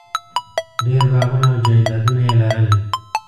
ډېر باغونه او جایدادونه یې لرل.